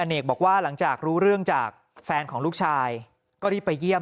เนกบอกว่าหลังจากรู้เรื่องจากแฟนของลูกชายก็รีบไปเยี่ยม